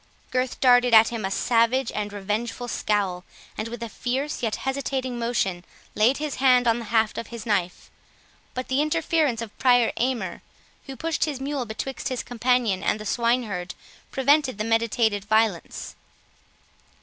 Gurth darted at him a savage and revengeful scowl, and with a fierce, yet hesitating motion, laid his hand on the haft of his knife; but the interference of Prior Aymer, who pushed his mule betwixt his companion and the swineherd, prevented the meditated violence.